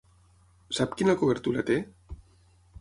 Sap quina cobertura té?